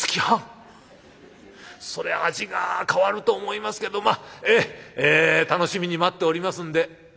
そりゃ味が変わると思いますけどまあええ楽しみに待っておりますんで」。